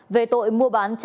về tội mua bán trang tài liệu